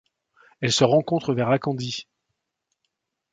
Elle se rencontre vers Acandí.